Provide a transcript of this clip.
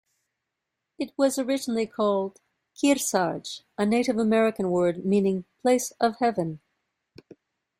It was originally called Kearsarge, a Native American word meaning "place of heaven".